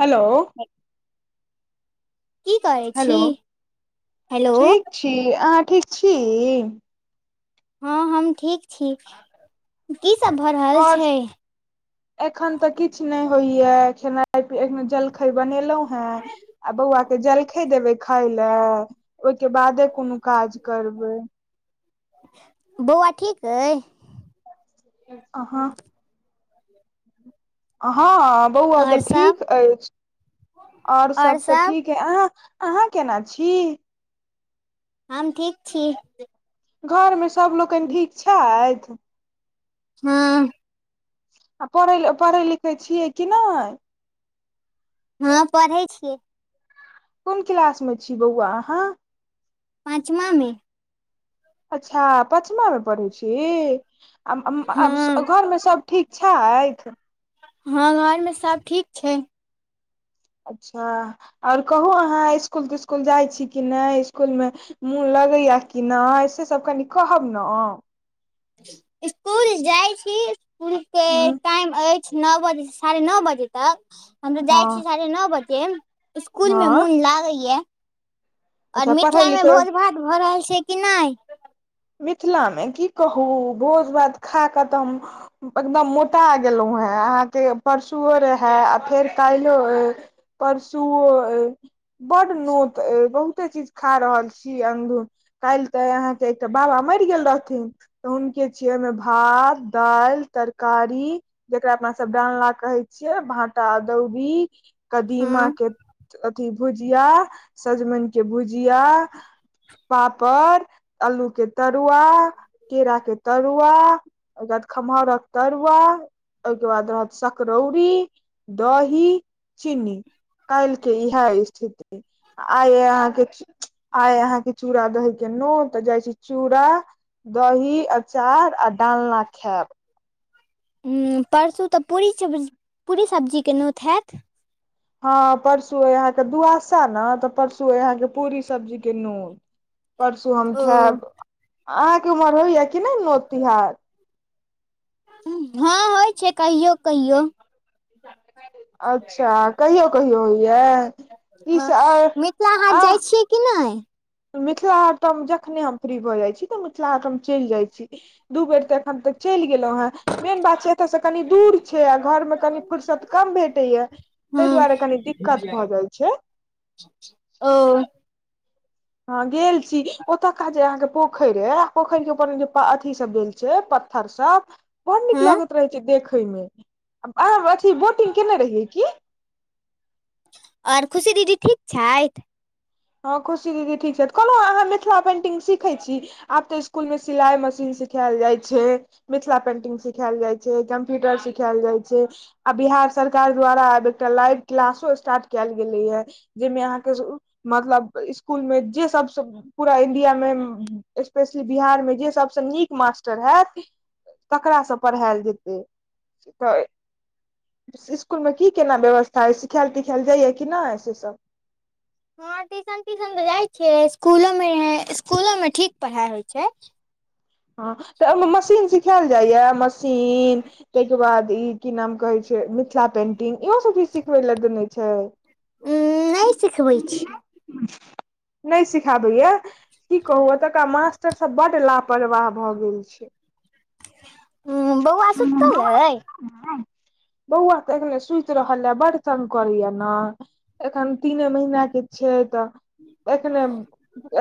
Hello. की करै छी हेलो हेलो ठीक छी अहाँ ठीक छी? हँ हम ठीक छी की सब भऽ रहल आओर छै? एखन तऽ किछु नहि होइया खेनाइ एखने जलखइ बनेलहुं हें। आ बौआ के जलखे देबे खााय ले ओहिके बादे कोनो काज करबै। बौआ ठीक अइ? अहाँ? हँ बौआ तऽ और सब ठीक अछि आऔर सब तऽ ठीक के अहाँ अहाँ केना छी? हम ठीक छी। घरमे सभ लोकनि ठीक छथि? हँ। आ पढ़ पढ़ै लिखैत छियै कि नहि? हँ पढ़ै छी। कोन क्लास मे छी बौआ अहाँ? पाँचमा मे। अच्छा पचमामे पढ़ै छी? आ आब हँ घरमे सब ठीक छैथ? हँ घरमे सब ठीक छै। अच्छा आओर कहू अहाँ इसकुल तिस्कुल जाइत छी कि नहि इसकुलमे मोन लगैया कि नहि से सब कनी कहब न? स्कूल जाय छी स्सकूल के टाइम अछि। नओ बजे साढ़े नओ बजे तक हम तऽ जाइ छिय हँ साढ़े नओ बजे स्कूल में हँ मून लागे ये आओर अच्छा पढ़ै मिथिलामे लिखै भोज भात भऽ रहल छै कि नहि? मिथिलामे की कहू भोज भात खा कऽ तऽ हम एकदम मोटा गेलहु हें अहाँके परसुओ रहए आ फेर काल्हिो ऐ परसूवो ऐ। बड नोत ऐ बहुते चीज खा रहल छी अन्धुन काइल तऽ अहाँके तऽ बाबा मरि गेल रहथिन तऽ हुनके छिये ओमे भात दालि तरकारी जकरा अपना सब डालना कहै छियै भाँटा अदौड़री हँ कदीमाके अथी भुजिया सजमनि के भुजिया पापड़ अल्लू के तरुआ केरा के तरुआ ओ बाद खमहौरक तरुआ ओके बाद रहत सकरौरी दही चिनी कालके इहा स्थिति आय अहाँके आ अहाँके चूड़ा दही के नो तऽ जाइ छै चूरा दही अचार आ डालना खायब परसू तऽ पूरी पूरी सब्जीके नोत हैत? हँ परसू अइ अहाँके दुआसा ने तऽ परसू अइ अहाँके पूरी सब्जीक के नोत। परसू हम ओ खायब अहाँके उमहर होइए कि नहि नोत तिहार? हँ होइ छै कहियौ कहियौ। अच्छा कहियो कहियो होइय? हँ मिथिला हाट जाइ छियै कि नहि? मिथिला हाट तऽ हम जखने हम फ्री भऽ जाइत छी तऽ मिथिला हाट हम चलि जाइ छी दू बेर तऽ एखन तक चलि गेलहुँ हेँ मेन बात छै एतयसँ कनि दूर छै आ घरमे कनी फुर्सत कम भेटैए ताहि हँ दुआरे कनि दिक्कत भऽ जाइ छै। ओ। हँ गेल छी ओतुका जे अहाँ के पोखरि अय पोखर के ऊपर जे अथी सब देल छै छै पत्थर सब बड़ नीक हँ लगैत रहै छै देखय मे अहाँ अथी बोटिंग केने रहियै कि? आओर खुशी दीदी ठीक छथि? हँ खुशी दीदी ठीक छथि कहलहुँ अहाँ मिथिला पेन्टिंग सिखैत छी? आब तऽ स्कुल मे सिलाई मशीन सिखायल जाइ छै। मिथिला पेंटिंग सिखायल जाइ छै कंप्यूटर सिखायल जाइ छै। आब बिहार सरकार द्वारा आब एकटा लाइव क्लासो स्टार्ट कैल गेलइ यै जाहिमे अहाँके मतलब स्कूलमे जे सबसे पूरा इण्डियामे स्पेशली बिहारमे जे सभसँ निक मास्टर होयत तकरासँ पढ़ायल जेतै तऽ। स्कुलमे कि केना व्यवस्था सिखायल तिखायल जाइएा कि नहि से सब? हँ ट्यूशन त्यूशन तऽ जाइ छियै स्कूलो मे स्कूलो मे ठीक पढ़ाई होइ छै। हँ तऽ ओहिमे मशीन सिखायल जाइया मशीन ओइ के बाद ई की नाम कहे छै मिथिला पेंटिंग इहो सब चीज सिखवे ले देने छै। उम्म नै सिखबै छी। नहि सिखाबैया। की कहू एतुका मास्टर सब बड लापरवाह भए गेल छै। हूं बौआ सुतल अय। बौआ तऽ एखने सुति रहल आ बढ तंग करैय न। एखन तीने महिना के छै तऽ एखने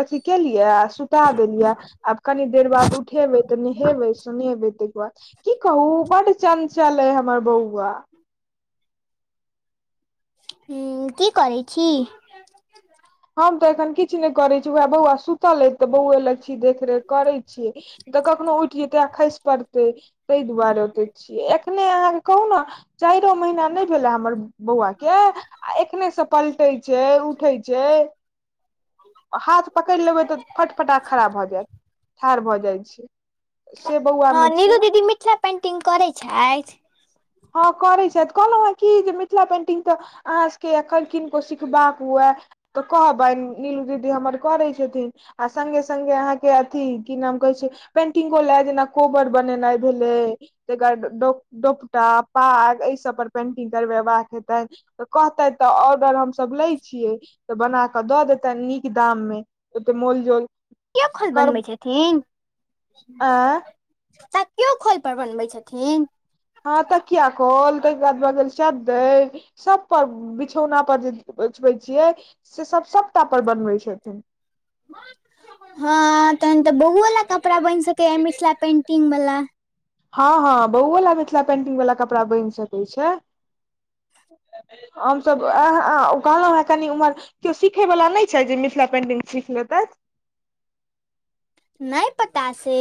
अथी केलिया आ सुता देलिया। आब कनी देर बाद उठेबै तऽ नहेबै सुनेबै तऽ की कहू बड चंचल अय हमर बौआ। हूं की करै छी। हम तऽ एखन किछ नहि करै छी उएह बौआ सुतल अछि तऽ बौए लग छी देखरेख करै छियै। तऽ कखनहो उठि जेतै आ खइस पड़तै। ताहि दुआरे ओतऽ छियै एखने अहाँके कहू न चाइरो महीना नहि भेले हमर बौआ के आ एखने स पलटै छै उठै जै हाथ पकड़ि लेबै तऽ फटफटा खरा भऽ जायत। ठार भऽ जाइ छै। से बौआ हँ मे नीलू छै दीदी मिथिला पेंटिग करै छथि? हँ करै छथि कहलहुँ हे कि जे मिथिला पेंटिग तऽ अहाँसभके आखन किनको सिखबाक हुए। तऽ कहबनि नीलू दीदी हमर करै छथिन। आ संगे संगे अहाँके अथी की नाम कहै छै। पेंटिगो लए जेना कोबर बनेनाइ भेलै तेकर डोक टोक टा पाग एहि सब पर पेंटिग करबेबाक हेतै। तऽ कहतै तऽ ऑर्डर हमसभ लै छियै तऽ बना कऽ दऽ देतनि निक दाममे ओते मोल जोल क एखन कर बनबै छथिन। आँय तकिओ खोल पर बनबै छथिन। हँ तकिया खोल ताहिके बाद भऽ गेल चदैर सब पर बिछौना पर जे ओछबै छियै से सब सबटा पर बनबै छथिन। हँ तहन तऽ बौओ लऽ कपड़ा बनि सके ह मिथिला पेंटिग वाला। हँ हँ बउवो ला मिथिला पेंटिग वाला कपड़ा बनि सकै छै। हम सभ आ ह ओ कहलहुँ हे कनी उम्हर केओ सिखय वला नय छै जे मिथिला पेंटिग सीख लेतैय। नय पता से।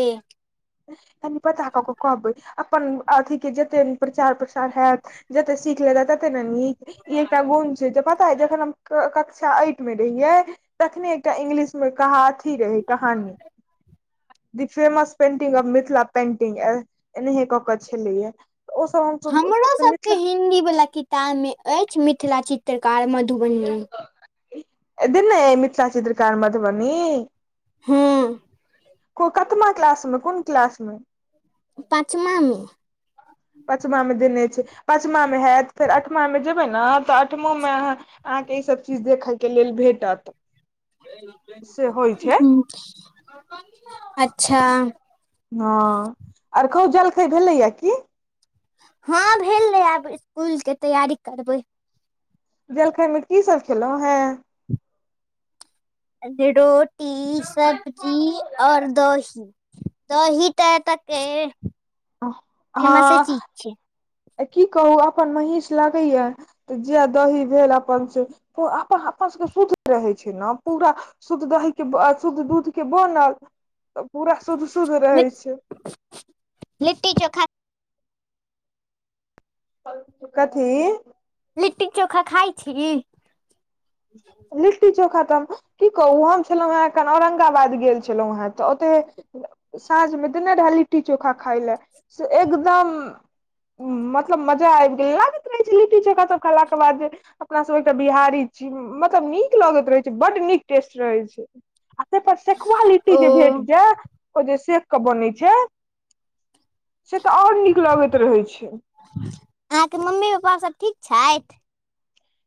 कनि पता कऽक कहबै अपन अथि के जते प्रचार प्रसार हेयत। जते सीख लेते तते ने नीक ई एकटा गुण छै जे पता है जखन हम क कक्षा अइट मे रहियै। तखने एकटा इंग्लिश मे कह अथी रहै कहानी the famous painting of Mithila painting एनाहिय कऽक छलैया। ओसभ हमरो हमसभ सब के मिथिला हिन्दी वला किताब मे अछि मिथिला चित्रकार मधुबनी। दने ए मिथिला चित्रकार मधुबनी? हँ। को कतमा क्लास मे कुन क्लास मे? पाँचमा मे पचमा मे देने छै पंचमा मे हैत फेर अठमा मे जेबै न तऽ अठमो मे अहाँ अहाँके ईसभ चीज देखय के लेल भेटत। से होइ छै अच्छा हँ, आर कहु जलखै भेलैया की? हँ भेलइ आब इसकुल के तैयारी करबै। जलखै मे की सभ खेलहुं हें? रोटी, सब्जी और दही। दही तऽ एत के फेमसे चीज छै। अ की कहू अपन महींष लगैयै तऽ जैह दही भेल अपन से पो अपन अपन सभ के शुद्ध रहै छै न पूरा शुद्ध दही के शुद्ध दूध के बनल तऽ पूरा शुद्ध शुद्ध रहै छै। लिट्टी चोखा कथी? लिट्टी चोखा खाइ छी? लिट्टी चोखा त की कहू हम छलहुँ हेँ एखन औरंगाबाद गेल छलहुँ हेँ तऽ ओतहे साँझ मे देने रहै लिट्टी चोखा खायलै से एकदम मतलब मजा आबि गेलै लागै छै लिट्टी चोखा सब खेलाक बाद जे अपना सब एक टा बिहारी छी मत लब नीक लगैत रहै छै बड नीक टेस्ट रहै छै। आ तैपर सेकुआ लिट्टी जे ओ भेट जै ओ जे सेक क बनै छै से तऽ और नीक लगैत रहै छै। अहाँ के मम्मी पापा सब ठीक छथि?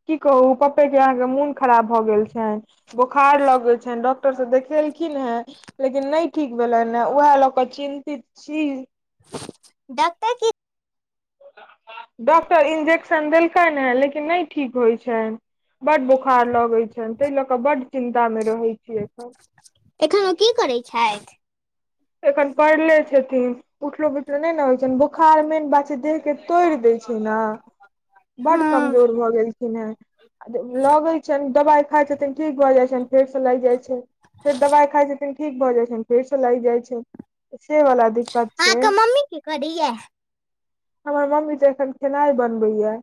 की कहू पप्पे के अहाँ के मोन खराब भऽ गेल छनि बोखार लगै छनि, डाॅक् टर स देखेलखिन हेँ लेकिन नय ठीक भेलनि हैं उएह लऽ क चिन्तित छी डॉक्टर की डॉक्टर इंजेक्शन देलकनि हैं लेकिन नय ठीक होइ छनि। बड बोखार लगै छनि तय लऽ कऽ बड चिंता मे रहै छी एखन। एखन ओ की करै छैथि? एखन परले छथिन उठलो बैठलो नय ने होइ छनि बोखार मेन बात छै देह के तोड़ि दय छै ना बड हँ कमजोर भए गेल खिन हैं, लगै छनि दबाइ खाइ छथिन ठीक भऽ जाइ छनि फेर सँ लागि जाइ छैइ। फेर दवाई खाइ छथिन ठीक भय जाय छनि फेर स लागि जाइ छैइ। से वला दिक्कत छै अहाँके मम्मी की करैया हमर मम्मी त एखन खेनाय बनबैयै।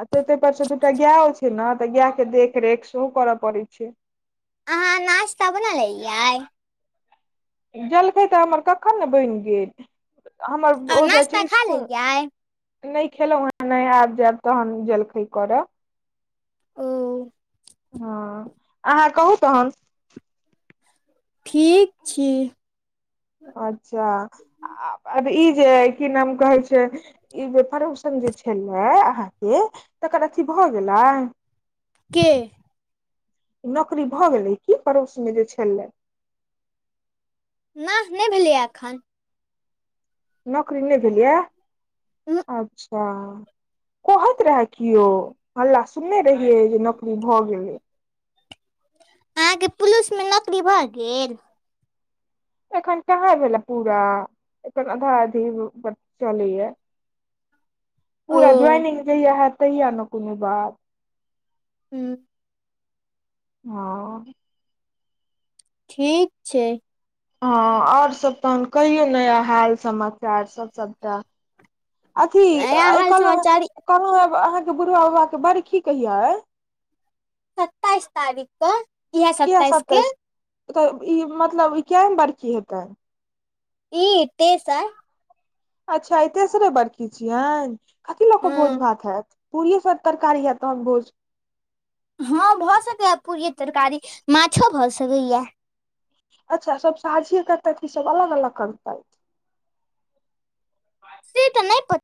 आ तेइ तेइ पर स दूटा गैयो छै ना तऽ गाय के देख रेख सेहो कर पड़े छै। अहाँ नास्ता बना लेलियै? जलखै तऽ हमर कखन ने बैन गेल हमर आ ब ओ जाइ नाश्ता छै खा इस्कुल लेलियै नै खेलहुॅं हैं नहि आब जैब तहन जलखै करब। ओ हँ अहाँ कहू तहन ठीक छी। अच्छा आब ई जे अइ की नाम कहै छै ई जे पड़ोसन जे छेलै अहाँके तकर अथी भए गेलै? के? नौकरी भऽ गेलै कि पड़ोसमे जे छलै? ना नै भेलैए एखन। नौकरी नै भेल ये अच्छ! हाँ कहैत रहे कियो हल्ला सुनने रहियै जे नौकरी भऽ गेलै। अहाँके पुलिस मे नौकरी भऽ गेल? एखन कहाँ भेला पूरा एखन आधा अधी चलै य। ओ पूरा ज्वाइनिंग जहिया हेत तहिया ने कोनो बात। हु। हँ। ठीक छै। हँ आओर सब तहन कहियौ नया हाल समाचार सब सभटा। अथी नया हाल कहलहु समाचार कहलहु हैं अहाँके बुढ़बा बाबाक के बड़ की कहिया ऐ? सत्ताइस तारीख। कऽ इएह सत्ताइस के सतसऽ ई मतलब ई कैम बड़खी हेतेन? ई तेसर। अच्छा ई तेसरे बड़खी छियनि कथी लकऽ भोज हँ भात हेत? पूरी सब तरकारी हेत तहन भोज। हँ भऽ सकैया पूड़िय तरकारी माछो भऽ सकैया। अच्छा सब साझिे करतैतऽ की सब अलग अलग करतै तऽ? से तऽ नेय प